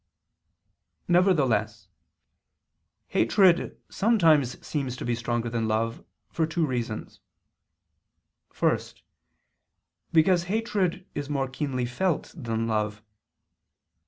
Nevertheless hatred sometimes seems to be stronger than love, for two reasons. First, because hatred is more keenly felt than love.